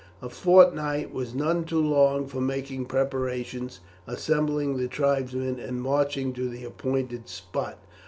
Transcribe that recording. A fortnight was none too long for making preparations, assembling the tribesmen, and marching to the appointed spot.